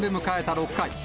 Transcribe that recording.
６回。